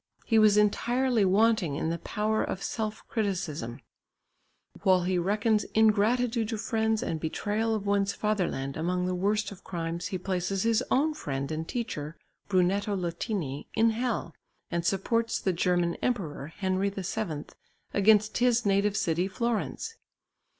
He was entirely wanting in the power of selfcriticism; while he reckons ingratitude to friends and betrayal of one's fatherland among the worst of crimes, he places his own friend and teacher, Brunetto Latini, in hell, and supports the German Emperor, Henry VII, against his native city Florence.